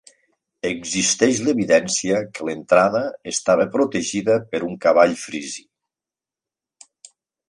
Existeix l'evidència que l'entrada estava protegida per un cavall frisi.